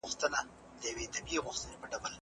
د مالونو زکات پر وخت وباسئ.